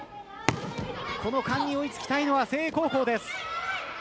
この間に追いつきたいのは誠英高校です。